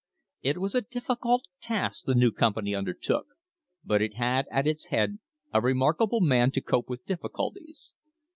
It was a difficult task the new company undertook, but it had at its head a remarkable man to cope with difficulties.